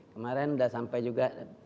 kemarin sudah sampai juga